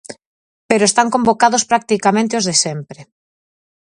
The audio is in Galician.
Pero están convocados practicamente os de sempre.